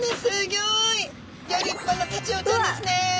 ギョ立派なタチウオちゃんですね！